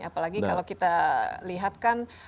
apalagi kalau kita lihatkan